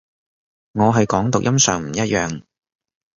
我係講讀音上唔一樣